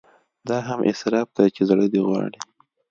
دا هم اسراف دی چې زړه دې غواړي.